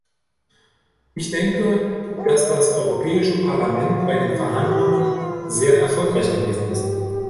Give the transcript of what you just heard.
Ich denke, dass das Europäische Parlament bei den Verhandlungen sehr erfolgreich gewesen ist.